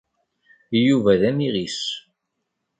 Yuba d amiɣis.